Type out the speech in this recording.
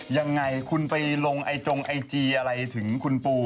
ยังไงคุณไปลงไอจงไอจีอะไรถึงคุณปู